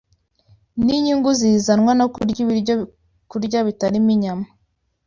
n’inyungu zizanwa no kurya ibyokurya bitarimo inyama;